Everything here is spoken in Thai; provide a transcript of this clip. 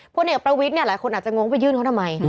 พวกนี้กับประวิทย์หลายคนอาจจะง้วงว่าไปยื่นเขาทำไม